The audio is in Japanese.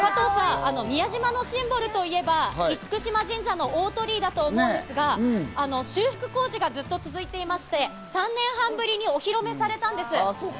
加藤さん、宮島のシンボルといえば、厳島神社の大鳥居だと思うんですが、修復工事がずっと続いていまして、３年半ぶりにお披露目されたんです。